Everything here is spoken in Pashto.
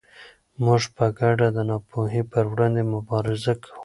موږ په ګډه د ناپوهۍ پر وړاندې مبارزه کوو.